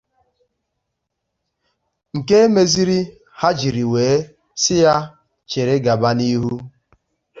nke mezịrị ha jiri wee sị ya chịrị gaba n'ihu